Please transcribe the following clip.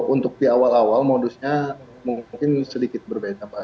untuk di awal awal modusnya mungkin sedikit berbeda pak